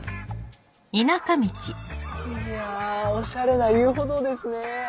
いやオシャレな遊歩道ですね！